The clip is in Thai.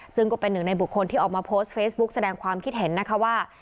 ซึ่งก็เป็นหนึ่งในบุคคลที่ออกมาโพสต์เฟซบุ๊กแสดงความคิดเห็นนะคะว่า